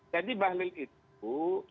jadi bahlil itu